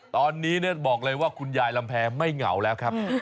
ตอนนี้บอกเลยว่าคุณยายลำแพงไม่เหงาแล้วครับ